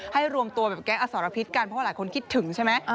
รวมตัวแบบแก๊งอสรพิษกันเพราะว่าหลายคนคิดถึงใช่ไหม